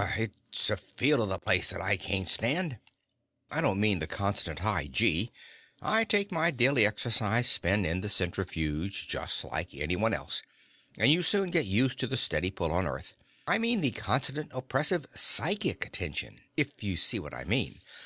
"Brrr! It's the feel of the place that I can't stand. I don't mean the constant high gee; I take my daily exercise spin in the centrifuge just like anyone else, and you soon get used to the steady pull on Earth. I mean the constant, oppressive psychic tension, if you see what I mean.